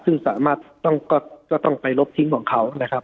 ซึ่งสามารถก็ต้องไปลบทิ้งของเขานะครับ